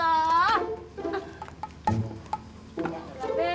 ya allah ya allah